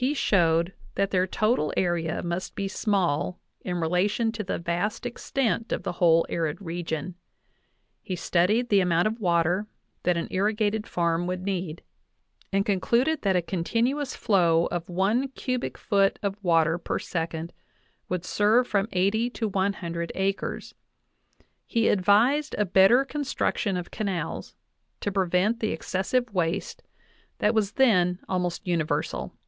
^He showed that their total area must be small in relation to the vast extent of the whole arid region ; he studied the amount of water that an irrigated farm would need, and concluded that a continuous flow of one cubic foot of water per second would serve from 80 to 100 acres ; he. advised, a better construction of canals to prevent^ the excessive waste that was then almost universal.